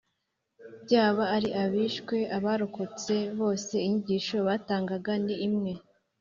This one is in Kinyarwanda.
Byaba ari abishwe, abarokotse bose inyigisho batangaga ni imwe